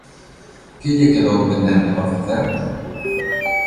Que lle quedou pendente por facer?